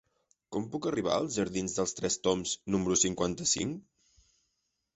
Com puc arribar als jardins dels Tres Tombs número cinquanta-cinc?